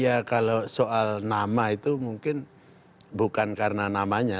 ya kalau soal nama itu mungkin bukan karena namanya